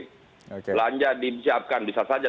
belanja disiapkan bisa saja